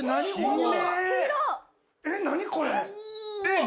えっ何これ！？